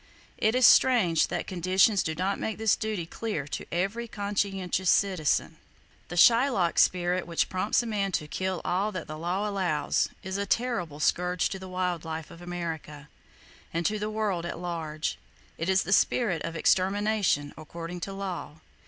It is strange that conditions do not make this duty clear to every conscientious citizen. The Shylock spirit which prompts a man to kill all that "the law allows" is a terrible scourge to the wild life of America, and to the world at [Page 57] large. It is the spirit of extermination according to law.